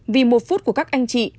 vì một phút của các anh chị